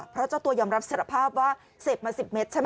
เพราะเจ้าตัวยอมรับสารภาพว่าเสพมา๑๐เมตรใช่ไหม